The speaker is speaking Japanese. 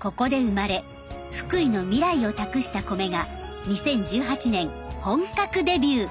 ここで生まれ福井の未来を託した米が２０１８年本格デビュー。